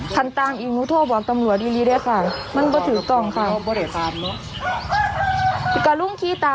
ทันตามอีกหนูโทรบอกตำรวจอีกเลยด้วยค่ะ